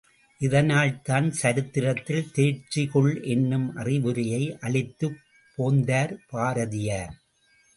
இதனால்தான், சரித்திரத்தில் தேர்ச்சி கொள் என்னும் அறிவுரையை அளித்துப் போந்தார் பாரதியார்.